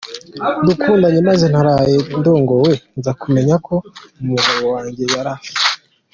dukundanye, maze naraye ndongowe nza kumenya ko umugabo wange yari afite.